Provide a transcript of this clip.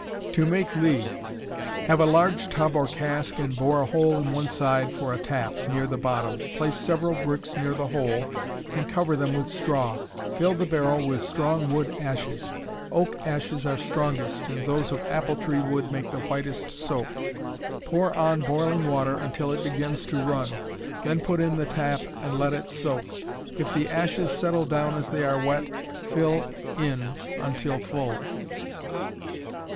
To make Ley. Have a large tub or cask and bore a hole on one side for a tap, near the bottom; place several bricks near the hole and cover them with straw. Fill the barrel with strong wood ashes. Oak ashes are strongest, and those of appletree wood make the whitest soap. Pour on boiling water until it begins to run, then put in the tap and let it soak. If the ashes settle down as they are wet, fill in until full.